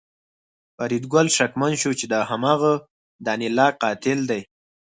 فریدګل شکمن شو چې دا هماغه د انیلا قاتل دی